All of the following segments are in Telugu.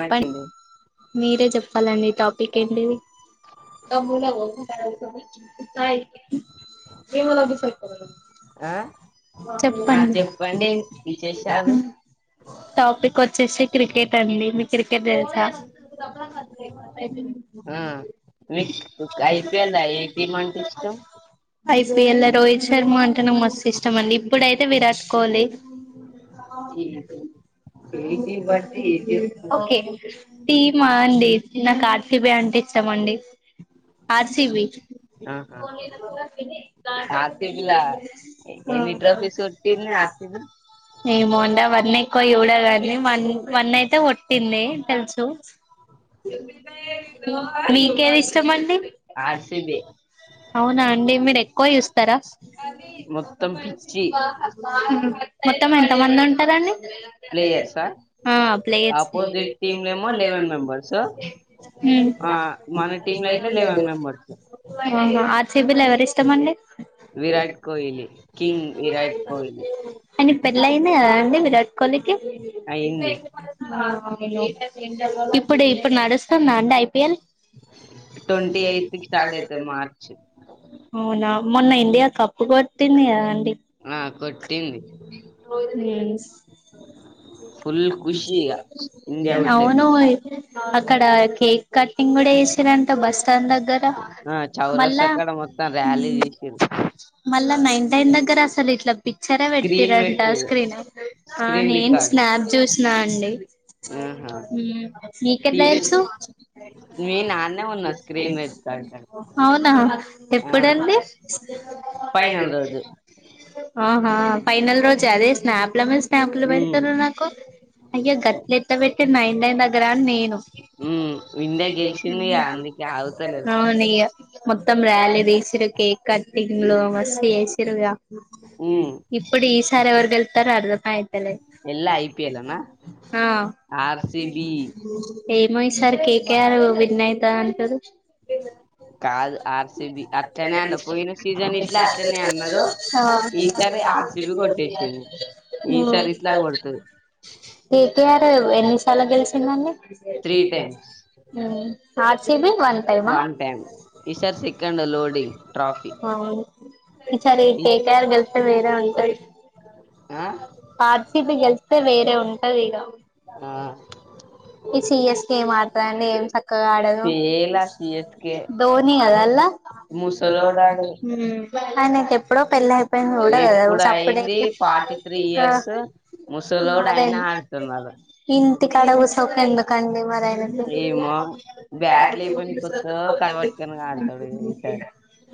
ఆ చిండి మీరే చెప్పాలండి టాప్ ఆ ఆ చెప్పండి చెప్పండి విశేషాలు టాపిక్ ఆచేసి క్రికెట్ చెప్పండి మిక్ క్రికెట్ తెల్సా? ఆ మీకు ఐపీఎల్ ఏ టీం అంటే ఇష్టం ఐపీఎల్ల రోహిత్ శర్మ అన్ అనే మాస్ ఇష్టం అండి ఇప్పుడైతే విరాట్ కోహ్లీ. ఓకే టీమా అండి లే కార్తి బే అంటే ఇష్టం అండి. ఆర్సిబి ఆహా ఆర్సిబి లా ఎ- ఎన్ని ట్రోఫీస్ కొట్టింది ఆర్సిబి ఏమోండ అవన్నీ ఎక్కువ చూడ కానీ మన్ వన్ అయితే కొట్టింది తెలుసు మీకేది ఇష్టం అండి? ఆర్సిబి అవునా అండి మీర్ ఎక్కువ చూస్తారా? మొత్తం ఉహ్ పిచ్చి ఉమ్ మొత్తం ఎంత మంది అన్ పదండి లే ప్లేయర్సా ఆ ప్లేయర్స్ ఆపోజిట్ టీమ్ లేమో ఉమ్ లెవెన్ మెంబర్స్ ఆ మన టీమ్ లో అయితే లెవెన్ మెంబర్స్ అవునా ఆర్సిబి ఎవర్ ఇష్టం అండి? విరాట్ కోహ్లీ కింగ్ విరాట్ కోహ్లీ అయిన పెళ్లి అయింది కదండీ, విరాట్ కోహ్లీకి? అయింది అవునా ఇప్పుడ్ ఇప్పుడ్ నడుస్తుందా అండి ఐ పిఎల్ ట్వంటీ ఎయిత్ కి స్టార్ట్ అయితది మార్చ్ అవునా మొన్న ఇండియా కప్పు కొటింది ఆ కొట్టింది కదా ఉమ్ ఫుల్ ఖుషి ఇగ ఇండియా కొట్టంది అవును అక్కడ ఏ కేక్ కటింగ్ కూడా చేసిరంట బస్ స్టాండ్ దగ్గర ఆ చౌరస్తా మళ్ళా కాడ మొత్తం ర్యాలీ మ్ తీసిరు. మళ్ళా నైన్ టైన్ దగ్గర అసలు ఏట్లా పిక్చరే పెట్టిరంట స్క్రీన్ ఆ స్క్రీన్ రికార్డ్ నేను జోసి [unintelligible] ఆ అండి. ఆహా మీకేట్లా టీవీ తెలుసు మీ నాన్నే ఉన్నా స్క్రీన్ రికార్డ్ కాడ అవునా ఆ ఎప్పుడండి. ఫైనల్ రోజు ఫైనల్ రోజు అదే స్నాప్లా మీద స్నాప్లు. ఉమ్ నాకు అయ్యా గట్ల ఎట్లా పెట్టిర్ నైన్ టైన్ దగ్గర అని నేను ఉమ్ ఇండియా గెలిచిందిగా అందుకే ఆగుతలేదు అవును మొత్తం ర్యాలీ తీసిరు కేక్ కటింగ్ లో మస్తు చేసిరు ఉమ్ ఇప్పుడు ఈసారి ఎవరు గెలుతరో ఇగ ఐపీఎల్ ఎల్లా ఐపిఎల్ నా ఆ ఆర్సిబి ఈ సారి కెటిఆర్ విన్నయితది అంటారు. కాదు ఆర్సిబి అట్లనే అన్న పోయిన సీజన్ ఇట్లా అట్లనే అన్నారు ఆ ఈసారి ఆర్సిబి ఉమ్ కొట్టేసింది ఈసారి ఇట్లా కొడుతది కెటిఆర్ ఎన్ని సార్ల గెలిసిందండి. త్రీ టైమ్స్ ఆర్సిబి టైమా వన్ టైమ్ ఈసారి సెకండ్ లోడింగ్ ట్రోఫీ. ఈ సారి కెటిఆర్ గెలుతే వేరే ఉంటది. ఆ ఆర్సీపీ గెళ్తే వేరే ఉంటది ఇక ఆ ఈ సిఎస్ కే ఏం ఆడతదండి ఏం చక్కగా ఆడదు ఫెయిల్ ఆ సిఎస్కే ధోని కదా అన్లా ముసలోడాడు ఉమ్ ఆయనకి ఎప్పుడో పెళ్లి ఉంటే కాదా ఇప్పుడు అయింది ఫార్టీ త్రీ సప్పుడేకా ఇయర్స్ ముసలోడు ఆ అయినా ఆడుతున్నారు ఇంటికాడ కుసో ఎందుకంటే ఏమో బ్యాట్ లేపోని కొత్త కలవట్టుకని ఆడతాడు ఈసారి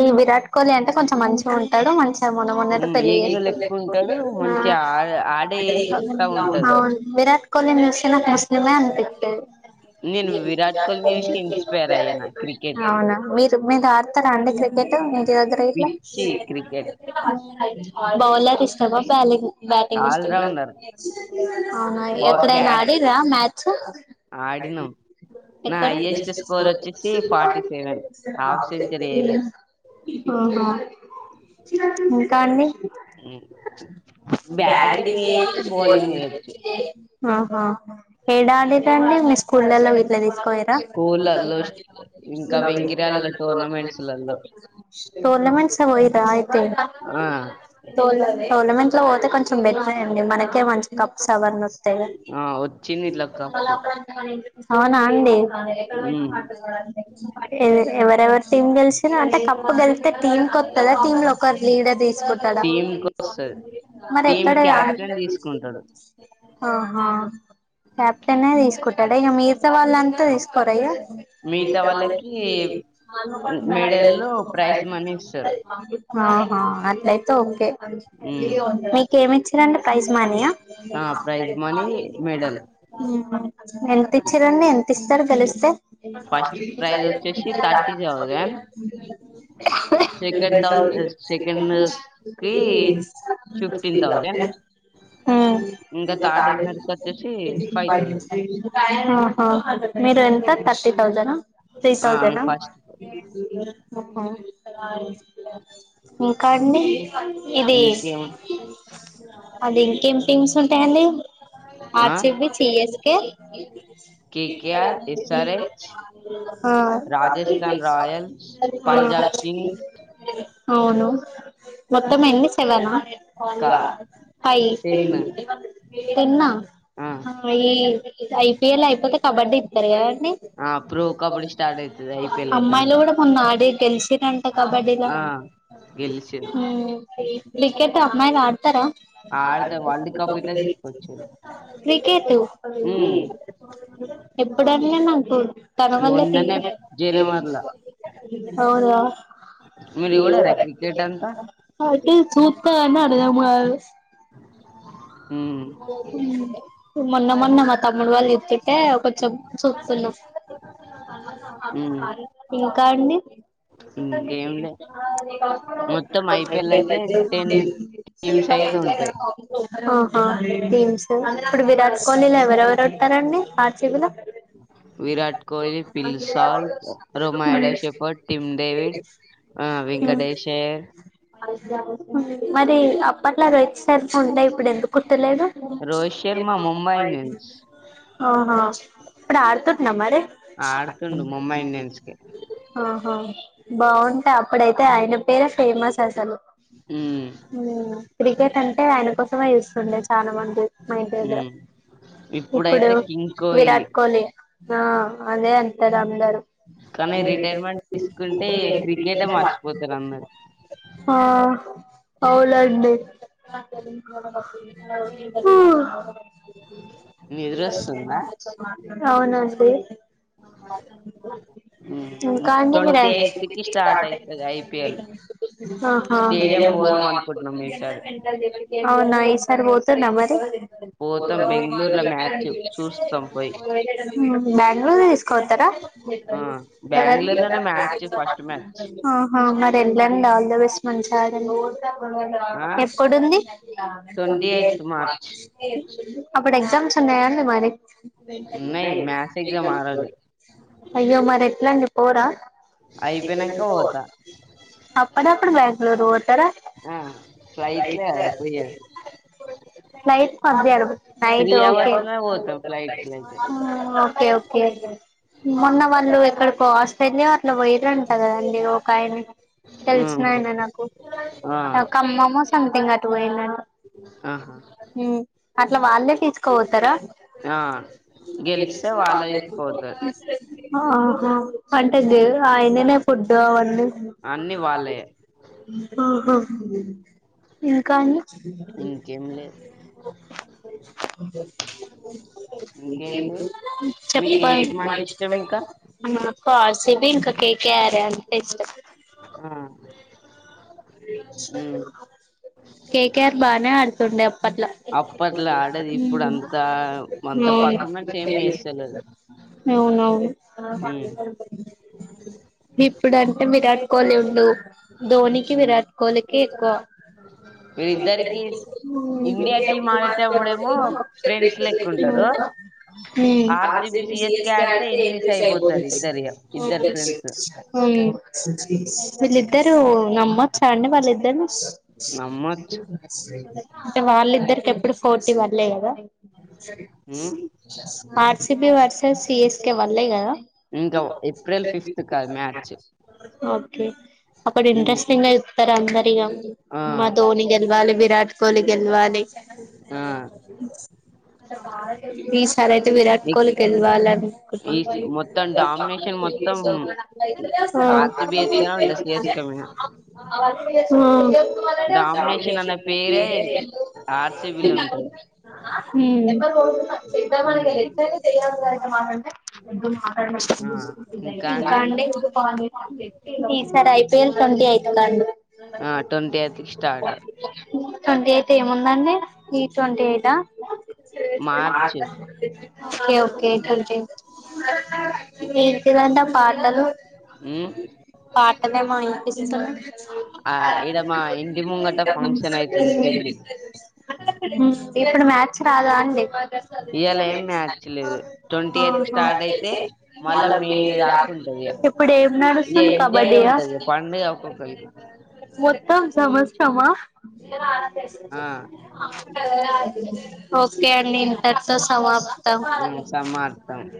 ఈ విరాట్ కోహ్లీ అంటే కొంచం మంచిగా ఉంటాడు. మంచిగా మొన్న మొన్న అట్లనే ఉమ్, పెళ్లి యంగ్ లెక్క ఉంటాడు మంచిగా ఆ ఆడే సత్తా ఉంటది అవును విరాట్ కొన్ని అ నేను విరాట్ కోహ్లీని చూసి ఇన్స్పైర్ అయ్యాను క్రికెట్ కి అవునా మీ మీరు ఆడతర అండి క్రికెట్. ఇంటి దగ్గర గిట్ల పిచ్చి క్రికెట్ బౌలర్ ఇష్టమా, బ్యాటింగ్ ఇష్టమా ఆల్రౌండర్ బా ఎప్పుడైనా బ్యాట్ ఆడిరా. చ ఆడినాం నా ఎక్కడ హైయెస్ట్ స్కోర్ వచ్చేసి ఫార్టీ సెవెన్ హాఫ్ సెంచరీ వేయలే ఆహా ఇంకా అండి. బ్యాటింగ్ బ్యాటిగ్ వేయొచ్చు ఏసెస్ బౌలింగ్ ఫోలింగ్ వేయొచ్చు వస్తే ఆహాహా ఏడాడిరండి. మీ స్కూల్లో విట్లా తీసుకపోయిరా స్కూళ్ళలో ఇంకా వెంకిరాలలో టోర్నమెంట్స్లలో టోర్లమెంట్సలా పోయిరా అయితే ఆ టోలమెంట్సలో పోతే కొంచెం బీట్రేండి మనక్ కే వచ్చి కప్స్ అవనోస్ తేగా ఆ వచ్చింది ఇట్లా కప్పు అవునండి. మ్మ్ ఇవే ఎవరెవర్ టీమ్ గెల్చిన అంటే కప్పు గెళ్తే టీంకి వస్తదా టీమ్ లో ఒకరు లీడర్ తీసుకుంటాడా టీమ్ కోస్తది మరి టీమ్ ఎక్కడ క్యాప్టెన్ తీసుకుంటాడు ఆహా క్యాయాప్టెన్నే తీసుకుంటాడ ఇగా మిగతా వాళ్ళంతా తీసుకోరా ఇగా మిగతా వాళ్ళకి మెడల్లో ప్రైజ్ మనీ ఇస్తారు ఆ ఆ అట్లైతే ఓకే మ్మ్ మీకేమిచిరండు పైజ్ మనీయా ఆ ప్రైజ్ మనీ మెడల్ ఎంత ఇచ్చిరండి. ఎంతిస్ తలు తెలుసే ఫస్ట్ ప్రైజ్ వచ్చేసి thirty thousand second thousand second కి ఫిఫ్టీన్ థౌజండ్ ఇంకా థర్డ్ విన్నర్ కి వచ్చేసి హు ఫైవ్ థౌజండ్ ఆహా మీరు ఎంతక్ థర్టీ థౌజేనా పేస్ ఆ మీ థౌసేనా ఫస్ట్ ఆహా ఇంకండి ఇది ఇంకేం అది ఇంకేం పింగ్స్ ఉంటాయండి. ఆ చీవి చీయస్ ఏ కేకేఆర్ ఎస్ఆర్హెచ్ ఆ ఆ రాజస్థాన్ రాయల్స్ పంజాబ్ కింగ్స్ అవును మొత్తమ్ము ఎన్ని సెవెనా కా ఫై టెన్ టెన్ ఆ ఆ హా యే ఐపీఎల్ అయిపోతే కబడ్డీ ఇంతరు కాదన్ ఆ ప్రో కబడ్డి స్టార్ట్ అయితది. ఐపిఎల్ అయిపోయినక తెలిసినన్ కో కబడ్డీలో గెలిచి హు పోయ్ క్రికెట్ అమ్మాయిలు ఆడతారా ఆడతే వరల్డ్ కప్ ఎట్ల తీసుకోచేరు క్రికెట్ మ్మ్ ఎప్పుడలే నాకు తన వల్లే మొన్ననే ఫీల్డ్ జనవరిల అవునా మీరు చూడరా క్రికెట్ అంతా [unintelligible] చూస్తా కానీ అర్థం కాదు మ్మ్ మొన్న మొన్న మా తమ్ముడు వాళ్ళు చూస్తుంటే కొంచెం చూతున్నా ఉమ్ ఇంకా అండి ఇంకేంలే మొత్తం ఐపీఎల్ అయితే టెన్ టీమ్స్ అయితే ఉంటాయి ఆహా టీమ్స్ ఇప్పుడు విరాట్ కోహ్లీలో ఎవరెవరు వస్తారు అండి ర్సిబిలో Virat Kohli Phil Salt Romario Shepherd Tim David ఆ వెంకటేష్ అయ్యర్ మరి అప్పట్లో రోహిత్ శర్మ ఉండే ఇప్పుడు ఎందుకు ఉంటలేదు రోహిత్ శర్మ ముంబై ఇండియన్స్ ఆహా ఇప్పుడు ఆడుతుంటున్నా మరి ఆడుతుండు ముంబై ఇండియన్స్ కి ఆహా బాగుంటే అప్పుడైతే ఆయన పేరే ఫేమస్ పైసలో ఉమ్ హ్మ్ క్రికెట్ అంటే ఆయన కోసం చూస్తుండే చాలా మంది ఐపిల్లో ఉమ్ ఇప్పుడు ఇప్పుడైతే కింగ్ విరాట్ కోహ్లీ ఆ అదే అంటారు అందరూ కానీ రిటైర్మెంట్ తీసుకుంటే క్రికెటే మర్చిపోతారు అందరు అవును అండి [unintelligible] ఆ నిద్రొస్తుందా అవునా ఉమ్ ఇంకా ట్వంటీ అయ్యానని ఎయిత్ కి స్టార్ట్ అయితది ఐపీఎల్ స్టేడియం కూడా పోదాం ఆహా అనుకుంటున్నాం ఈసారి అవునా ఈసారి పో తునమార్ పోతాం బెంగళూరులో యావధే మ్యాచ్ చూస్తాం పోయి హా బాగ్ [inaudible] కొతార ఆ బెంగళూరులోనే మ్యాచ్ ఫస్ట్ మ్యాచ్ ఆహా మా ప్లాన్ ఆల్ థీ బెస్ట్ ఆ ఎప్పుడుంది ట్వంటీ ఎయిత్ మార్చ్ అప్పుడు ఎగ్జామ్స్ ఉన్నాయాండి మరి ఉన్నాయి మ్యాథ్స్ ఎగ్జామ్ ఆ రోజు అయ్యో మరి ఎట్లా [unintelligible] పోరా అయిపోయినాక పోతా అప్పుడప్పుడు బెంగళూర్ ఓతారా ఆ ఫ్లైట్ లే కదా పోయేది ఫ్లైట్ పంపియారు నైట్ త్రీ ఓకే అవర్స్ లో పోతాం ఫ్లైట్ లో అయితే ఆ ఓకేకే [inaudible] మొన్న వాళ్ళు ఇక్కడికో ఆస్ట్రేలియా అట్లా వయరంట కదండి ఒక ఆయన తెలిసిన ఉహు ఆయన నాకు ఆ నాక్ అమ్మమ్మ సమ్థింగ్ అటు పోయిండు అనీ ఆహా ఉమ్ అట్లా వాళ్ళే తీసుకోబతారా ఆ గెలిస్తే వాళ్ళే తీసుకుపోతారు అంటేది ఆయనైనా ఫుడ్ అవన్నీ అన్ని వాళ్ళయే ఆహా ఇంకా అండి ఇంకేం లే అంటే ఇంకేంటి మీకు ఏ చెప్పలి టీం అంటే ఇష్టం ఇంకా [unintelligible] సి బి ఇంకా కేకయారు అంతే ఇష్ట ఆ ఉమ్ కేకేఆర్ బానే అడుతుండే అప్పట్లో ఆడేది ఇప్పుడు అంతా అంత పర్ఫార్మెన్స్ ఏమి చేస్తలేదు అవునువును అ పడిడి ఇప్పుడు అంటే విరాట్ కోహ్లీ ఉండు ధోని కి ఉమ్ విరాట్ కోహ్లీకి ఎక్కువ వీళ్ళిద్దరికి ఇండియా టీం ఆడేటప్పుడేమో ఫ్రెండ్స్ లెక్క ఉంటారు ఉమ్ ఆర్సిబి సిఎస్కే ఆడితే ఎనిమిస్ అయిపోతారు ఇద్దరు ఇగ ఇద్దరు ఫ్రెండ్స్ అవును విల్ ఇద్దరు [unintelligible] [unintelligible] వాళ్ళిద్దర్నీ నమ్మొచ్చు అంటే వాళ్ళిద్దరికి ఎప్పుడు ఫోర్టీ వర్లే కదా ఉమ్ ఆర్సబీ వర్సస్ సిఎస్కే వల్లే కదా ఇంకా ఏప్రిల్ ఫిఫ్త్ కా మ్యాచ్ ఒకే అప్పుడు ఉమ్ ఇంట్రస్ట్ గా ఉత్తరందరిగా ఆ మా ధోని గెలవాలి విరాట్ కోహ్లీ గెలవాలి ఆ ఈసార్ అయితే విరాట్ ఇక్ కోహ్లీ గెలవాలి ఈ అనుకుంటు. స- మొత్తం డామినేషన్ మొత్తం ఆర్సిబి ఎత్తనే ఉంటది సిఎస్కే మీద అ మ్ మ్.... డామినేషన్ అనే పేరే ఆర్సిబిలో ఉంటది ఉమ్ ఆ ఇంకా అండి ఈ సారి ఐపీఎల్ [inaudible] ఆ ట్వంటీ ఎయిత్ కి స్టార్ట్ డేట్ ఏముందండి ఈ twenty eight March okay okay thank you ఏంటిదంట పాటలు ఉమ్ పాటలేమో ఆ ఈడ మా ఇంటి ముంగట ఫంక్షన్ అయితుంది పెళ్లి ఇప్పుడు మ రాదా అండి ఇయాల ఏం అ మ్యాచ్ లేదు ట్వంటీ ఎయిత్ కి స్టార్ట్ అయితే మళ్ళా మే దాకా హ ఉంటది ఇగ ఇప్పుడు ఏం ఇగ నడుస్తుంది ఎంజాయ్ ఏ కబడ్డీయా ఉంటది పండుగ ఒక్కొక్కరికి మొత్తం సమస్తమా ఆ ఓకే అండి ఇంతటి తో సమాప్తం ఉమ్ సమాప్తం